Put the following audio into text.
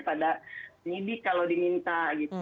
pada penyidik kalau diminta gitu